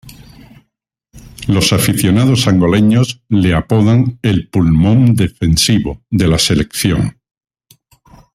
Los aficionados angoleños le apodan el "pulmón defensivo" de la selección.